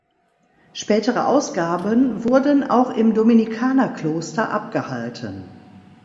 Spätere Ausgaben wurden auch im Dominikanerkloster abgehalten.